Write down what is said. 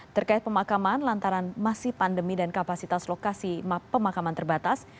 terkait pemakaman lantaran masih pandemi dan kapasitas lokasi pemakaman terbatas